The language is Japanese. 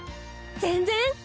全然！